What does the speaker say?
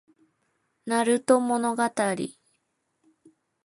なると物語